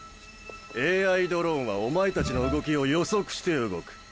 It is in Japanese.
ＡＩドローンはお前たちの動きを予測して動く。